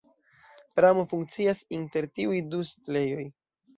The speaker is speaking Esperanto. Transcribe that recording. Pramo funkcias inter tiuj du setlejoj.